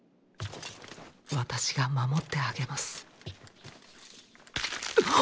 私が守ってあげます。ッ！！ッ！！あっ。